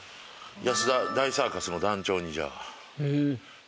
安田大サーカスの団長にじゃあ。